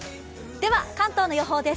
では関東の予報です。